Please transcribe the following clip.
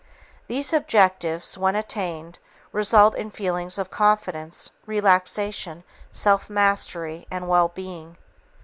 These objectives, when attained, result in feelings of confidence, relaxation, self mastery and well being.